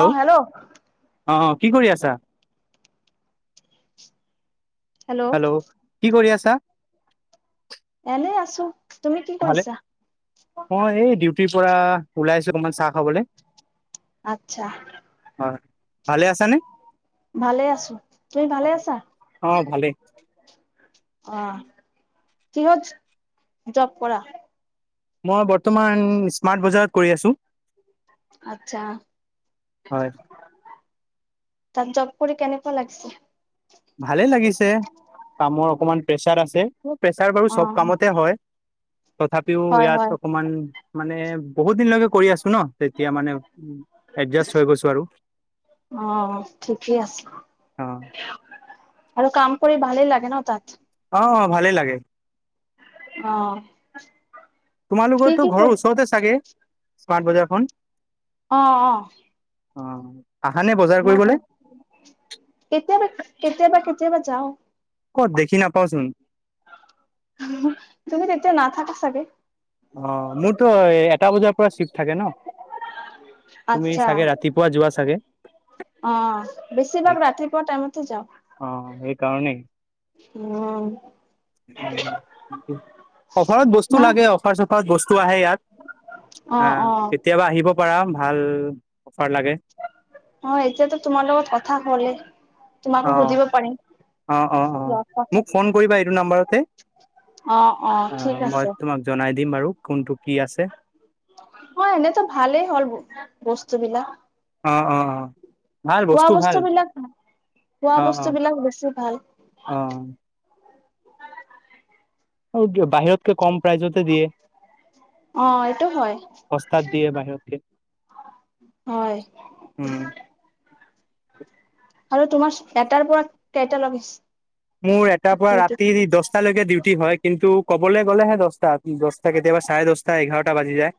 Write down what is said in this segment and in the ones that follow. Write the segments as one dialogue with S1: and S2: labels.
S1: অ', hello!
S2: অ', কি কৰি আছা? হেল্ল'! কি কৰি আছা?
S1: এনে আছো। তুমি কি
S2: ভালে
S1: কৰিছা?
S2: মই এই ডিউটিৰ পৰা ওলাইছো অকমান চাহ খাবলে।
S1: আত্ছা।
S2: হয়। ভালে আছানে?
S1: ভালে আছো। তুমি
S2: অ
S1: ভালে আছা?
S2: অ ভালেই
S1: অ', কিহত জব কৰা?
S2: মই বৰ্তমান স্মাৰ্ট বজাৰত কৰি আছো।
S1: আচ্ছা।
S2: হয়
S1: তাত জব কৰি কেনেকুৱা লাগিছে?
S2: ভালে লাগিছে। কামৰ অকমান প্ৰেচাৰ আছে। প্ৰেছাৰ বাৰু
S1: অ
S2: চব কামতে হয়। তথাপিও
S1: হয় হয়
S2: ইয়াত অকমান মানে বহুত দিনলৈকে কৰি আছো ন। তেতিয়া মানে উ, এডজাষ্ট হৈ গৈছো আৰু।
S1: অ', ঠিকে আছে।
S2: অ
S1: আৰু কাম কৰি ভালেই লাগে ন তাত?
S2: অ', অ', ভালেই লাগে।
S1: অ'। কি
S2: তোমালোকৰতো
S1: কি
S2: ঘৰৰ
S1: কৰি
S2: ওচৰতে চাগে স্মাৰ্ট বজাৰখন?
S1: অ অ
S2: অ'। আহানে বজা
S1: মই কওঁ। কেতিয়াবা, কেতিয়াবা কেতিয়াবা যাওঁ।
S2: ক'ত দেখি নাপাওঁচোন?
S1: তুমি তেতিয়া নাথাকা চাগে।
S2: অ', মোৰতো এটা বজাৰ পৰা চিফ্ট থাকে ন। তুমি
S1: আচ্ছা
S2: চাগে ৰাতিপুৱা যোৱা চাগে।
S1: অ', বেছিভাগ ৰাতিপুৱা টাইমতে যাওঁ।
S2: অ', সেইকাৰণেই।
S1: উম
S2: [inaudible] অফাৰত বস্তু
S1: ভাল
S2: লাগে। অফাৰ-চফাৰত বস্তু আহে ইয়াত।
S1: অ
S2: আহ,
S1: অ
S2: কেতিয়াবা আহিব। পাৰা ভাল অফাৰ লাগে।
S1: অ', এতিয়াতো তোমাৰ লগত কথা হ'লে।
S2: অ
S1: তোমাকো সুধিব পাৰিম।
S2: অ', অ', অ', মোক ফোন কৰিবা এইটো নম্বাৰতে
S1: অ অ
S2: আ
S1: ঠিক
S2: মই
S1: আছে
S2: তোমাক জনাই দিম বাৰু কোনটো কি আছে।
S1: হয়। এনেইতো ভালেই হ'ল ব বস্তু বিলাক।
S2: অ', অ', অ', ভাল
S1: খোৱা
S2: বস্তু ভাল।
S1: বিলাক খোৱা
S2: অ অ
S1: বস্তুবিলাক বেছি ভাল।
S2: আৰু বাহিৰতকে কম প্ৰাইজতে দিয়ে।
S1: অ', এইটো হয়,
S2: সস্তাত দিয়ে বাহিৰতকে
S1: হয়।
S2: উম।
S1: আৰু তোমাৰ এটাৰ পৰা কেইটা লৈকে?
S2: মোৰ এটাৰ পৰা ৰাতি দহটালৈকে ডিউটি হয়, কিন্তু ক'বলৈ গ'লেহে দহটাত। দহটা কেতিয়াবা চাৰে দহটা এঘাৰটা বাজি যায়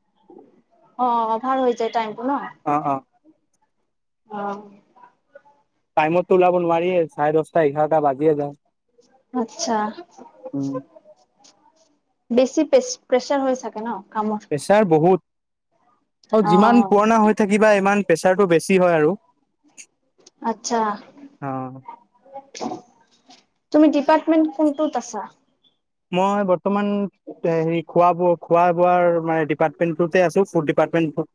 S1: অ অভাৰ হৈ যায় টাইমটো ন'?
S2: অ অ
S1: অ'।
S2: টাইমতো ওলাব নোৱাৰিয়ে, চাৰে দহটা এঘাৰটা বাজিয়ে যায়।
S1: আত্ছা।
S2: উম
S1: বেছি প্ৰে-প্ৰেছাৰ হৈ চাগে ন' কামৰ?
S2: প্ৰেছাৰ বহুত, আৰু
S1: অ
S2: যিমান পুৰণা হৈ থাকিবা ইমান প্ৰেছাৰটো বেছি হয়, আৰু।
S1: আত্ছা।
S2: অ
S1: তুমি ডিপাৰ্টমেন্ট কোনটোত আছা?
S2: মই বৰ্তমান এ হেৰি খোৱা-বোৱা খোৱা-বোৱা মানে ডিপাৰ্টমেণ্টটোতে আছো ফুড ডিপাৰ্টমেণ্টত।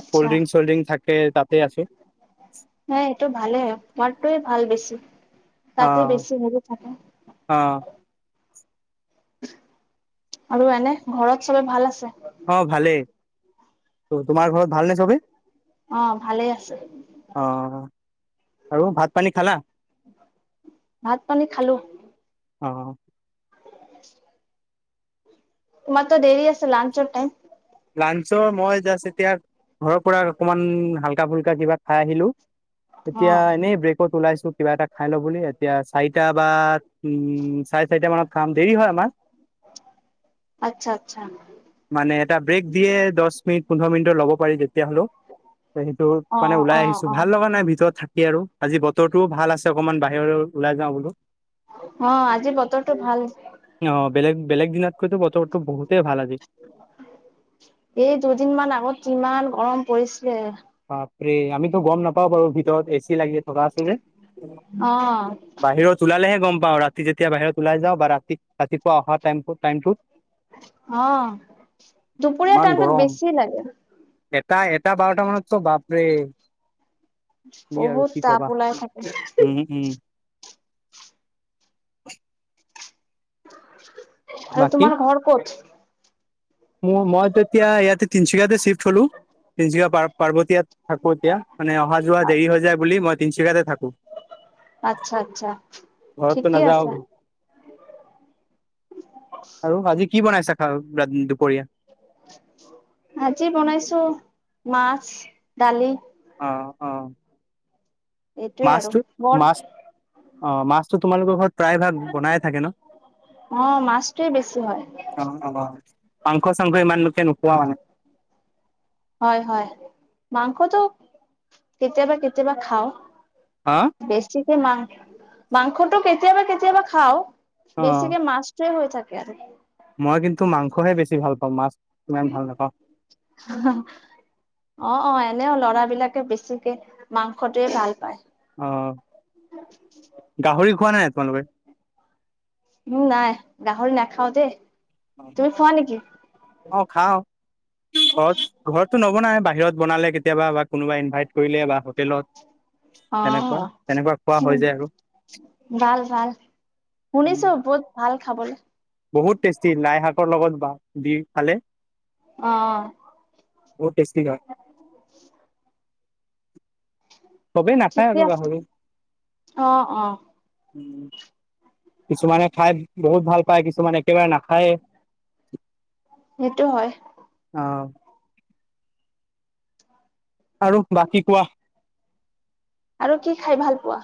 S1: আচ্ছা
S2: কল্ড্ৰিংক-চল্ড্ৰিং থাকে তাতে আছো।
S1: হে এইটো ভালে তোমাৰটোৱে ভাল বেছি, তাতে বেছি হেৰী থাকে।
S2: অঁ'।
S1: আৰু এনে ঘৰত চবে ভাল আছে?
S2: অ', ভালেই তোমাৰ ঘৰত ভালনে চবে?
S1: অ', ভালে আছে।
S2: অঁ', আৰু ভাত পানী খালা?
S1: ভাত পানী খালো।
S2: অ'।
S1: [inaudible] তোমাৰতো দেৰি আছে লাঞ্চৰ টাইম?
S2: লাঞ্চৰ মই জাষ্ট এতিয়া ঘৰৰ পৰা অকমান হাল্কা-ফুল্কা কিবা খাই আহিলোঁ,
S1: অ
S2: এতিয়া এনেই ব্ৰেক ত ওলাইছো কিবা এটা খাই লওঁ বুলি এতিয়া চাৰিটা বা উম, চাৰে চাৰিটা মানত খাম, দেৰি হয়, আমাৰ
S1: আত্ছা আচ্ছা।
S2: মানে এটা ব্ৰেক দিয়ে দহ মিনিট পোন্ধৰ মিনিটৰ ল'ব পাৰি তেতিয়া হ'লেও। সেইটো
S1: অ
S2: মানে
S1: অ
S2: ওলাই আহিছোঁ
S1: অ
S2: ভাল লগা নাই ভিতৰত থাকি আৰু। আজি বতৰটোও ভাল আছে অকণমান বাহিৰৰে ওলাই যাওঁ বোলো।
S1: অ', আজি বতৰটো ভাল।
S2: অ', বেলেগ বেলেগ দিনাতকৈতো বৰটো বহুতে ভাল আজি।
S1: এই দুদিন মান আগত কিমান গৰম পৰিছিলে।
S2: বাপৰে আমিতো গম নাপাও বাৰু ভিতৰত এ চি লাগি থকা আছিল যে।
S1: অ
S2: বাহিৰত ওলালেহে গ'ম পাওঁ ৰাতি যেতিয়া বাহিৰত ওলাই যাওঁ বা ৰাতি ৰাতিপুৱা অহা টাইম টাইমটোত।
S1: অ', দুপৰীয়া
S2: ইমান
S1: টাইমটোত
S2: গৰম
S1: বেছি লাগে।
S2: এটা এটা বাৰটা মানতো বাপৰে। কি আৰু
S1: বহুত
S2: কি
S1: তাপ
S2: কবা
S1: ওলাই থাকে
S2: উম, উম।
S1: আৰু তোমাৰ ঘৰ ক'ত?
S2: মুৰ মইতো এতিয়া ইয়াতে তিনিচুকীয়াতে চিফ্ট হ'লো তিনিচুকীয়া প-পাৰ্বতীয়াত থাকো এতিয়া। মানে অহা যোৱা দেৰি হৈ যায় বুলি, মই তিনিচুকীয়াতে থাকো।
S1: আচ্ছা আচ্ছা,
S2: ঘৰততো
S1: ঠিকেই
S2: নাযাও
S1: আছে।
S2: আৰু আজি কি বনাইছা খা দুপৰীয়া?
S1: আজি বনাইছোঁ মাছ, দালি।
S2: অহ', অ'
S1: এইটোৱে আৰু
S2: মাছটো
S1: বৰ
S2: মাছ অহ, মাছটো তোমালোকৰ ঘৰত প্ৰায় ভাগ বনায়ে থাকে ন'?
S1: অ মাছটোৱে বেছি হয়
S2: অ', অ'। মাংস-চাংখ ইমান লোকে নোখোৱাও মানে
S1: হয়, হয়। মাংসটো কেতিয়াবা কেতিয়াবা খাওঁ।
S2: হা!
S1: বেছিকে মাং-মাংসটো কেতিয়াবা-কেতিয়াবা খাওঁ,
S2: অ
S1: বেছিকে মাছ হৈ থাকে আৰু।
S2: মই কিন্তু মাংসহে বেছি ভাল পাওঁ, মাছ ইমান ভাল নাপাওঁ।
S1: [unintelligible] অহ', অ' এনেইও ল'ৰাবিলাকে বেছিকে মাংসটোৱে ভাল পায়।
S2: অহ। গাহৰি খোৱানে নাই তোমালোকে?
S1: উম, নাই। গাহৰি নাখাওঁ দেই। তুমি খোৱা নেকি?
S2: অহ, খাওঁ। অহ, ঘৰত-ঘৰতটো নবনাই বাহিৰত বনালে কেতিয়াবা বা কোনোবা ইনভাইট কৰিলে বা হোটেলত। তেনেকুৱা
S1: অহ',
S2: তেনেকুৱা খোৱা হৈ
S1: উম'।
S2: যায় আৰু
S1: ভাল-ভাল শুনিছোঁ বহুত ভাল খাবলে।
S2: বহুত টেষ্টি লাই শাকৰ লগত বা দি খালে।
S1: অহ।
S2: বহুত টেষ্টি গা চবেই নাখায়
S1: ঠিকে
S2: আকৌ
S1: আছে
S2: গাহৰি।
S1: অ অ
S2: উম, কিছুমানে খাই বহুত ভাল পায়, কিছুমানে একেবাৰে নাখায়ে।
S1: সেইটো হয়।
S2: অহ। আৰু বাকী কোৱা?
S1: আৰু কি খায় ভাল পোৱা?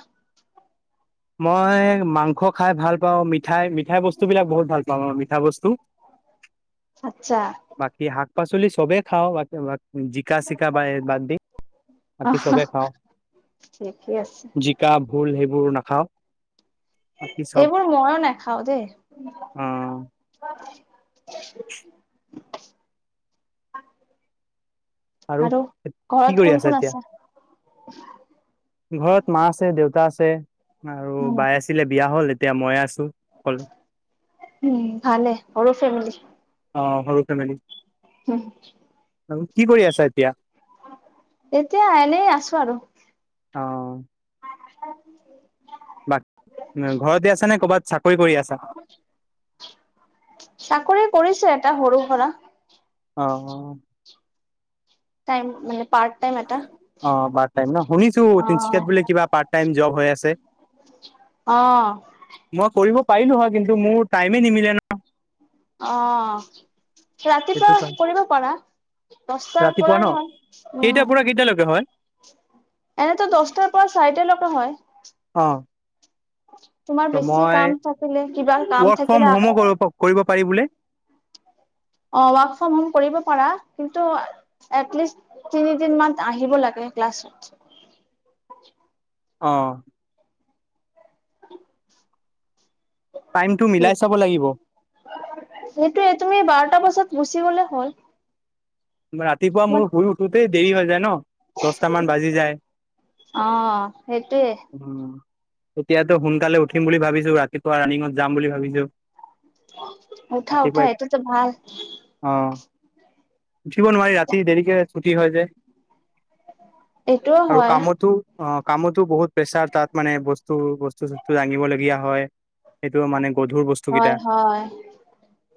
S2: মই মাংস খাই ভাল পাওঁ, মিঠাই মিঠাই বস্তুবিলাক বহুত ভাল পাওঁ মিঠা বস্তু।
S1: আচ্ছা
S2: বাকী শাক-পাচলি চবেই খাওঁ, বা-বাকী জিকা-চিকা বা-বাদ দি। বাকী
S1: অহ
S2: চবে খাওঁ,
S1: ঠিকেই আছে
S2: জিকা ভোল সেইবোৰ নাখাওঁ। বাকী চব
S1: এইবোৰ মইয়ো নেখাওঁ দেই।
S2: আহ
S1: আৰু
S2: কি
S1: ঘৰত
S2: কৰি
S1: কোন
S2: আছা
S1: কোন
S2: এতিয়া
S1: আছে?
S2: ঘৰত মা আছে, দেউতা আছে আৰু
S1: উম
S2: বাই আছিলে বিয়া হ'ল, এতিয়া মই আছোঁ অকলে।
S1: উম, ভালে সৰু ফেমেলি।
S2: অহ, সৰু ফেমেলি।
S1: হম।
S2: আৰু কি কৰি আছা এতিয়া?
S1: এতিয়া এনেই আছোঁ আৰু।
S2: অহ।
S1: [unintelligible]
S2: বাক ঘৰতে আছা নে, কৰ'বাত চাকৰি কৰি আছা?
S1: চাকৰি কৰিছে এটা সৰু-সুৰা।
S2: অহ।
S1: টাইম মানে পা টাইম এটা।
S2: অহ, পাৰ্ট টাইম ন'। শুনিছোঁ
S1: অ
S2: তিনিচুকীয়াত বোলে কিবা পাৰ্ট টাইম জব হৈ আছে।
S1: অহ।
S2: মই কৰিব পাৰিলোঁ হয় কিন্তু মোৰ টাইমে নিমিলে ন'।
S1: অহ, ৰাতিপুৱা
S2: সেইটো কাৰণে
S1: কৰিব পাৰা। দস্তা আৰু পৰা
S2: ৰাতিপুৱা ন
S1: নহ
S2: কেইটাৰ
S1: উম।
S2: পৰা কেইটালৈকে হয়?
S1: এনেতো দচটাৰ পৰা চাৰিটালৈকে হয়।
S2: অ'।
S1: তোমাৰ
S2: ত'
S1: বেছি
S2: মই
S1: কাম থাকিলে কিবা কাম
S2: ৱৰ্ক ফ্ৰম
S1: থাকিলে
S2: হোমো
S1: আকৌ।
S2: কৰিব কৰিব পাৰি বোলে।
S1: অ', ৱৰ্ক ফ্ৰম হোম কৰিব পাৰা কিন্তু এটলিষ্ট তিনিদিন মমান আহিব লাগে ক্লাছ।
S2: অ'।
S1: [inaudible]
S2: টাইম টো মিলাই চাব লাগিব।
S1: সেইটোয়ে তুমি বাৰটা বজাত গুচি গলে হ'ল।
S2: ৰাতিপুৱা
S1: মই
S2: মোৰ শুই উঠোতেই দেৰি হৈ যায় ন। দছটামান বাজি যায়।
S1: অ সেইটোয়ে
S2: উ তেতিয়াতো সোনকালে উঠিম বুলি ভাবিছোঁ ৰাতিপুৱা ৰানিংত যাম বুলি ভাবিছোঁ।
S1: উঠা উঠা এটো ত ভাল।
S2: অ'। উঠিব নোৱাৰি ৰাতি দেৰিকে ছুটি হয় যে
S1: এইটোও
S2: আৰু
S1: হয়
S2: কামতো অ', কামতো বহুত প্ৰেছাৰ তাত মানে বস্তু বস্তু চস্তু দাঙিবলগীয়া হয়। এইটো মানে গধুৰ বস্তু কেইটা
S1: হয়, হয়।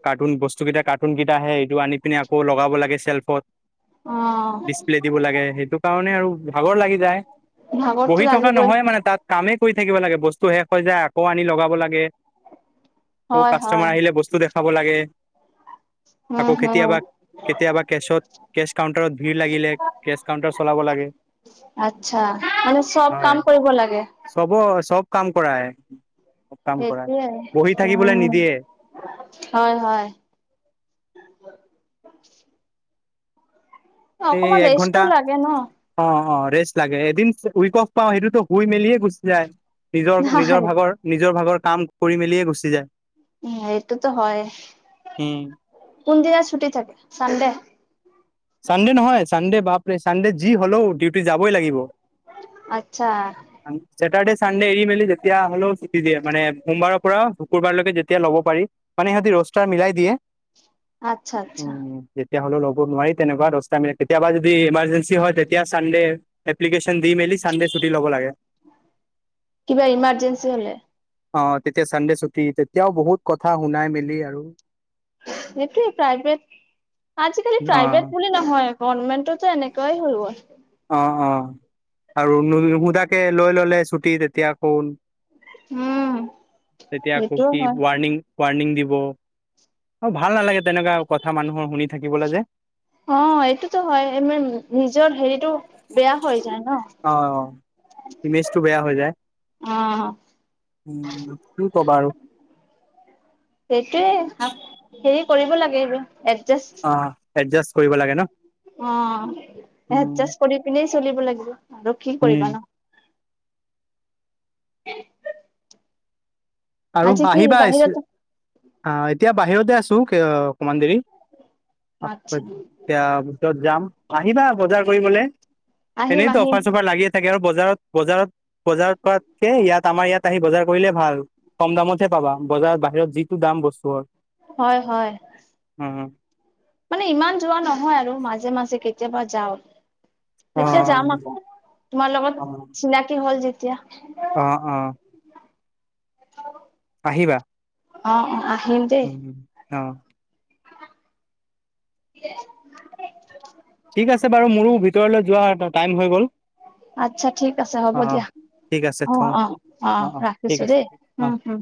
S2: কাৰ্টুন বস্তু কেইটা কাৰ্টুন কেইটা আহে এইটো আনি পিনে আকৌ লগাব লাগে চেল্ফত।
S1: অ
S2: ডিচপ্লে দিব লাগে সেইটো কাৰণে আৰু ভাগৰ লাগি যায়।
S1: ভাগৰটো
S2: বহি থকা
S1: লাগিবই
S2: নহয় মানে তাত কামেই কৰি থাকিব লাগে বস্তু শেষ হৈ যায় আকৌ আনি লগাব লাগে। আকৌ
S1: হয় হয়
S2: কাষ্টমাৰ আহিলে বস্তু দেখাব লাগে।
S1: উম
S2: আকৌ
S1: হম।
S2: কেতিয়াবা কেতিয়াবা কেচত কেছ কাউণ্টাৰত ভিৰ লাগিলে কেচ কাউণ্টাৰ চলাব লাগে।
S1: আত্ছা। আ মানে চব
S2: হয়
S1: কাম কৰিব লাগে।
S2: চব, চব কাম কৰাব কাম কৰা বহি
S1: সেইটোয়ে উম
S2: থাকিবলৈ নিদিয়ে।
S1: হয়, হয়।
S2: এই
S1: অকমান
S2: এক
S1: ৰেষ্টো
S2: ঘণ্টা
S1: লাগে ন
S2: অ', অ', ৰেষ্ট লাগে এদিন উইক অফ পাওঁ সেইটোতো শুই মেলিয়ে গুচি যায়। নিজৰ নিজৰ
S1: নাই
S2: ভাগৰ, নিজৰ ভাগৰ কাম কৰি মেলিয়ে গুচি যায়।
S1: উ এইটোতো হয়
S2: উম
S1: কোনদিন ছুটি থাকে চানডে্।
S2: চানডে্ নহয় চানডে্ বা চানডে্ যি হ'লেও ডিউটি যাবই লাগিব।
S1: আত্ছা।
S2: চেটাৰ্ডে চানডে্ এৰি মেলি যেতিয়া হ'লেও ছুটি দিয়ে মানে সোমবাৰৰ পৰা শুকুৰবাৰলৈকে যেতিয়া ল'ব পাৰি মানে সিহঁতে ৰোষ্টাৰ মিলাই দিয়ে।
S1: আচ্ছা, আচ্ছা।
S2: উম যেতিয়া হ'লেও ল'ব নোৱাৰি তেনেকুৱা ৰস্তাৰ মিলে, কেতিয়াবা যদি ইমাৰ্জেঞ্চি হয়, তেতিয়া চানডে্ এপ্লিকেশ্যন দি মেলি চানডে্ ছুটি ল'ব লাগে।
S1: কিবা ইৰ্মাজেনন্সী হ'লে।
S2: অ', তেতিয়া চানডে্ ছুটি, তেতিয়াও বহুত কথা শুনাই মেলি আৰু।
S1: সেইটোৱে প্ৰাইভেট, আজিকালি
S2: অ
S1: প্ৰাইভেট বুলি নহয় গভমেণ্টৰতো এনেকুৱাই হৈ গ'ল।
S2: অ', অ', আৰু নো-নোসোধাকৈ লৈ ল'লে ছুটি তেতিয়া আকৌ
S1: উম
S2: তেতিয়া খুব
S1: সেইটোও
S2: কি
S1: হয়
S2: ৱাৰণিং ৱাৰণিং দিব আৰু ভাল নালাগে তেনেকুৱা কথা মানুহৰ শুনি থাকিবলৈ যে।
S1: অ', এইটোতো হয় ই মিং নিজৰ হেৰিতটো
S2: অ', ইমেজটো বেয়া হৈ যায়।
S1: অ
S2: উম, কি ক'বা আৰু।
S1: সেইটোয়ে হেৰি কৰিব লাগে আৰু।
S2: অ' একজাষ্ট কৰিব লাগে ন।
S1: অ'
S2: উম
S1: এডজাষ্ট কৰি পিনে চলিব লাগিব আৰু কি কৰিবা ন। [unintelligible]
S2: আৰু
S1: আজি কি
S2: বাহিবা এইচ
S1: বাহিৰত
S2: অ' এতিয়া বাহিৰতে আছোঁ, আহ অকমান দেৰি।
S1: আচ্ছা
S2: এতিয়া ভিতৰত যাম, আহিবা বজাৰ কৰিবলৈ,
S1: আহিম
S2: এনেইতো
S1: আহিম
S2: অফাৰ-চফাৰ লাগিয়ে থাকে আৰু বজাৰত, বজাৰত, বজাৰত কৰাতকে ইয়াত আমাৰ ইয়াত আহি বজাৰ কৰিলে ভাল। কম দামতহে পাবা, বজাৰত বাহিৰত যিটো দাম বস্তুৰ।
S1: হয়, হয়।
S2: উম, উম।
S1: মানে ইমান যোৱা নহয় আৰু মাজে-মাজে কেতিয়াবা যাওঁ।
S2: অ
S1: এতিয়া যাম আকৌ তোমাৰ লগত চিনাকি হ'ল যেতিয়া।
S2: অ' অ'। আহিবা।
S1: অ' অ' আহিম। দেই
S2: উম, অ'।
S1: [unintelligible]
S2: ঠিক আছে বাৰু মোৰো ভিতৰলৈ যোৱা এটা টাইম হৈ গ'ল।
S1: আচ্ছা ঠিক আছে হ'ব
S2: অ', অ',
S1: দিয়া।
S2: ঠিক আছে
S1: অ'অ'
S2: থওঁ
S1: অ'
S2: ঠিক
S1: ৰাখিছোঁ
S2: আছে।
S1: দেই
S2: অ'।
S1: উম, হ'ম।